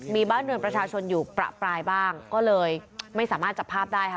มีบ้านเรือนประชาชนอยู่ประปรายบ้างก็เลยไม่สามารถจับภาพได้ค่ะ